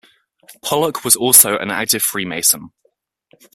Pollock was also an active freemason.